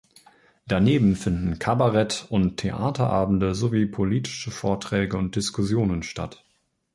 Daneben finden Kabarett- und Theaterabende sowie politische Vorträge und Diskussionen statt.